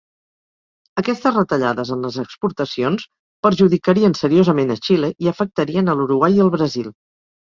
Aquestes retallades en les exportacions perjudicarien seriosament a Xile i afectarien a l'Uruguai i el Brasil.